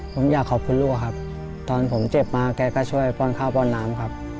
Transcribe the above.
ผมอยากขอบคุณลูกครับตอนผมเจ็บมาแกก็ช่วยป้อนข้าวป้อนน้ำครับ